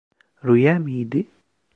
Rüya mıydı?